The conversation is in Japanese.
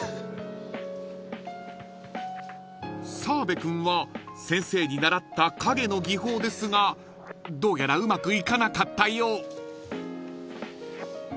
［澤部君は先生に習った影の技法ですがどうやらうまくいかなかったよう］